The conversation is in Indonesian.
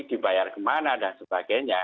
dibayar kemana dan sebagainya